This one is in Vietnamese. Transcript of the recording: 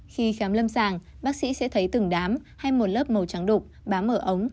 khi khám lâm sàng bác sĩ sẽ thấy từng đám hay một lớp màu trắng đục bám ở ống